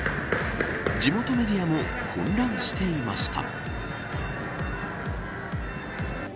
地元メディアも混乱していました。